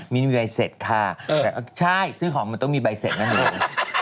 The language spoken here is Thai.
มิ้นมีใบเสร็จค่ะแบบใช่ซื้อของมันต้องมีใบเสร็จกันเลย